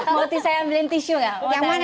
mau saya ambilin tissue gak mau tanya